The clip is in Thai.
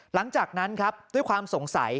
หลังจากนั้นครับด้วยความสงสัย